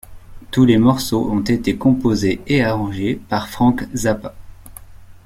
Tous les morceaux ont été composés et arrangés par Frank Zappa.